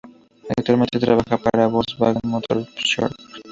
Actualmente trabaja para Volkswagen Motorsport.